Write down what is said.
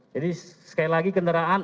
jadi sekali lagi kendaraan